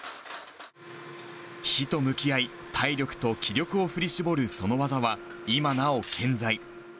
火と向き合い、体力と気力を振り絞るその技は、今なお健在。